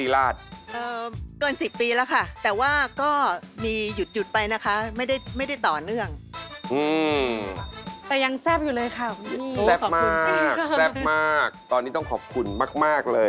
แล้วก็สวยมาก